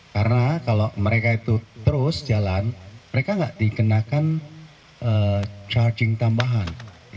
karena kalau mereka itu terus jalan mereka tidak dikenakan charging tambahan